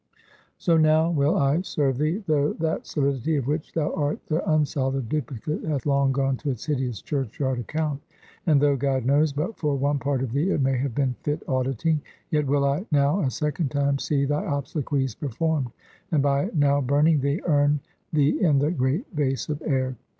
"So now will I serve thee. Though that solidity of which thou art the unsolid duplicate, hath long gone to its hideous church yard account; and though, God knows! but for one part of thee it may have been fit auditing; yet will I now a second time see thy obsequies performed, and by now burning thee, urn thee in the great vase of air!